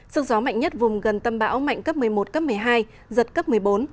sức gió mạnh nhất vùng gần tâm bão mạnh cấp một mươi một cấp một mươi hai giật cấp một mươi bốn